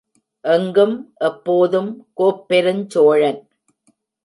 எங்கும் எப்போதும் கோப்பெருஞ்சோழன்!